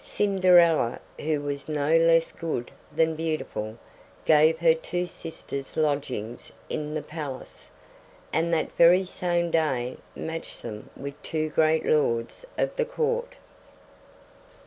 Cinderella, who was no less good than beautiful, gave her two sisters lodgings in the palace, and that very same day matched them with two great lords of the Court.